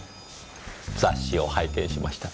雑誌を拝見しました。